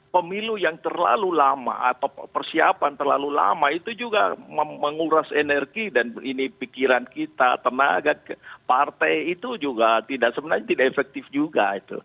pemilu yang terlalu lama atau persiapan terlalu lama itu juga menguras energi dan ini pikiran kita tenaga partai itu juga sebenarnya tidak efektif juga